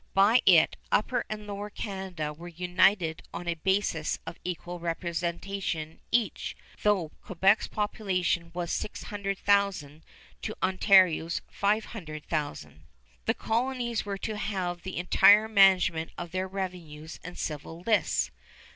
By it Upper and Lower Canada were united on a basis of equal representation each, though Quebec's population was six hundred thousand to Ontario's five hundred thousand. The colonies were to have the entire management of their revenues and civil lists.